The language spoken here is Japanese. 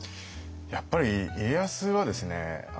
やっぱり家康はですね